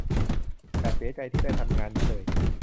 อย่าเสียใจที่ได้ทำงานนี้เลย